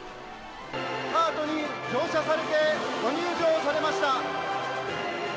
カートに乗車されて、ご入場されました。